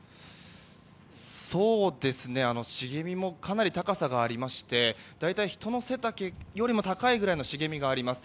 茂みもかなり高さがありまして大体、人の背丈より高いぐらいの茂みがあります。